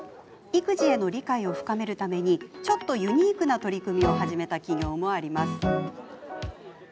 育児への理解を深めるためにちょっとユニークな取り組みを始めた企業もあります。